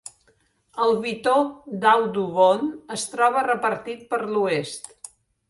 El bitó d'Audubon es troba repartit per l'oest.